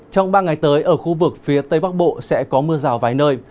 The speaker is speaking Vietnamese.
trong ba ngày tới ở khu vực phía tây bắc bộ sẽ có mưa rào vài nơi